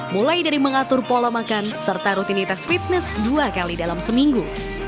mulai dari mengatur pola makan serta rutinitas fitness dua kali dalam seminggu